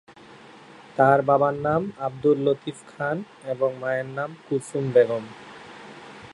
তার বাবার নাম আবদুল লতিফ খান এবং মায়ের নাম কুলসুম বেগম।